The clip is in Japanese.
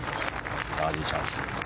バーディーチャンス。